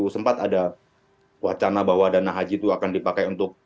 sempat ada wacana bahwa dana haji itu akan dipakai untuk